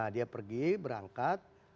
dia pergi berangkat